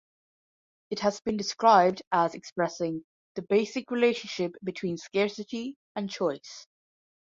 It has been described as expressing "the basic relationship between scarcity and choice".